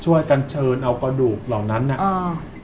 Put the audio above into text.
ชาวบ้านรับคำสั่งมาว่าอ๋อมาเก็บสลาด้วยชาวบ้านรับคำสั่งมาว่า